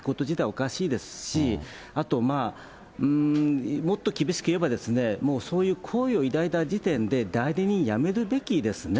おかしいですし、あと、まあ、もっと厳しく言えば、もうそういう好意を抱いた時点で、代理人辞めるべきですね。